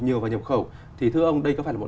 nhiều vào nhập khẩu thì thưa ông đây có phải là một